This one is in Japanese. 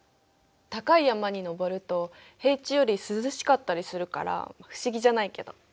高い山に登ると平地より涼しかったりするから不思議じゃないけど。